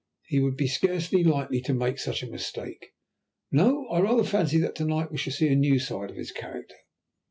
He would be scarcely likely to make such a mistake. No, I rather fancy that to night we shall see a new side of his character.